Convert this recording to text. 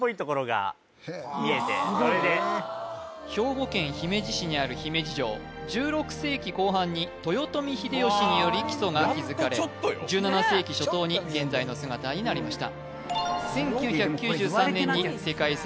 兵庫県姫路市にある姫路城１６世紀後半に豊臣秀吉により基礎が築かれ１７世紀初頭に現在の姿になりました